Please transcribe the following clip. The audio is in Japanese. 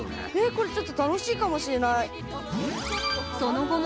これちょっと楽しいかもしれない。